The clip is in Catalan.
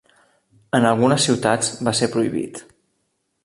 En algunes ciutats va ser prohibit.